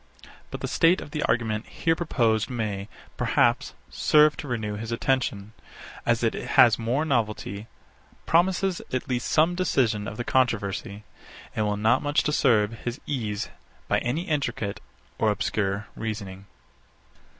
But the state of the argument here proposed may, perhaps, serve to renew his attention; as it has more novelty, promises at least some decision of the controversy, and will not much disturb his ease by any intricate or obscure reasoning.